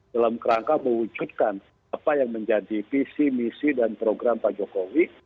dalam kerangka mewujudkan apa yang menjadi visi misi dan program pak jokowi